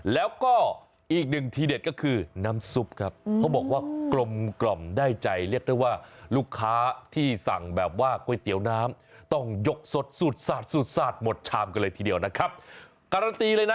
แล้วก็อีกหนึ่งที่เด็ดก็คือน้ำซุปครับเขาบอกว่ากลมได้ใจ